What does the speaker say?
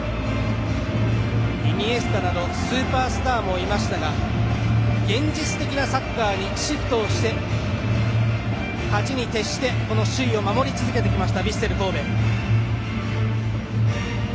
イニエスタなどスーパースターもいましたが現実的なサッカーにシフトして勝ちに徹して首位を守り続けてきました